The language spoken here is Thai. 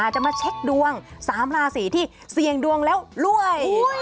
จะมาเช็คดวง๓ราศีที่เสี่ยงดวงแล้วรวย